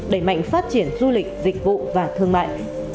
đẩy mạnh phát triển du lịch dịch vụ và thương mại